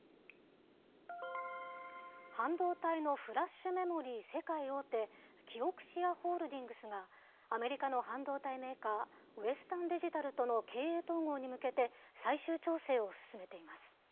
半導体のフラッシュメモリー世界大手、キオクシアホールディングスが、アメリカの半導体メーカー、ウエスタンデジタルとの経営統合に向けて、最終調整を進めています。